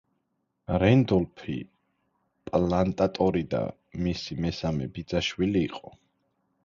რენდოლფი პლანტატორი და მისი მესამე ბიძაშვილი იყო.